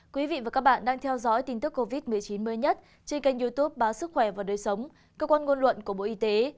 quý vị và các bạn đang theo dõi tin tức covid một mươi chín mới nhất trên kênh youtube báo sức khỏe và đời sống cơ quan ngôn luận của bộ y tế